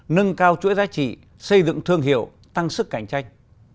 nâng cao chuỗi giá trị xây dựng thương hiệu tăng sức cạnh tranh